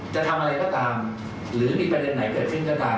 จะทำอะไรก็ตามหรือมีประเด็นไหนเกิดขึ้นก็ตาม